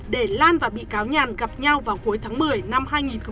để lan và bị cáo nhàn gặp nhau vào cuối tháng một mươi năm hai nghìn một mươi chín